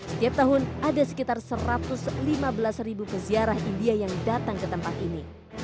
setiap tahun ada sekitar satu ratus lima belas ribu peziarah india yang datang ke tempat ini